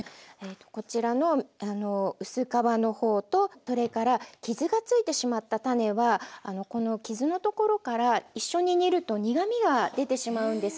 こちらの薄皮の方とそれから傷がついてしまった種はこの傷のところから一緒に煮ると苦みが出てしまうんです。